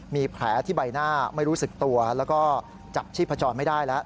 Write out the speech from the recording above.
มีแผลที่ใบหน้าไม่รู้สึกตัวแล้วก็จับชีพจรไม่ได้แล้ว